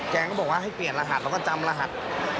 แกก็บอกว่าให้เปลี่ยนรหัสแล้วก็จำรหัส